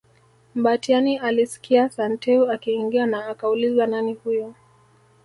Mbatiany alisikia Santeu akiingia na akauliza nani huyo